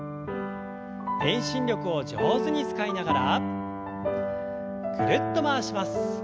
遠心力を上手に使いながらぐるっと回します。